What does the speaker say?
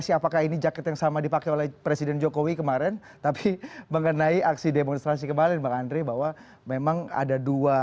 saya ingin mengucapkan mbak andre bahwa memang ada dua